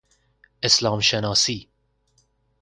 اسلام شناسی